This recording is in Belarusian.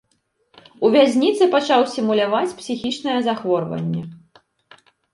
У вязніцы пачаў сімуляваць псіхічнае захворванне.